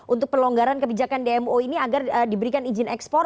untuk pelonggaran kebijakan dmo ini agar diberikan izin ekspor